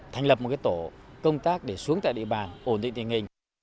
thành lập một tổ công tác để xuống tại địa bàn ổn định tình hình